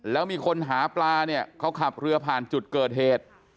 แล้วมีคนหาปลาเนี่ยเขาขับเรือผ่านจุดเกิดเหตุ